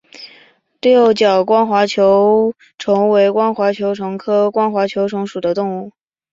六角光滑球虫为光滑球虫科光滑球虫属的动物。